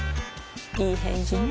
いい返事ね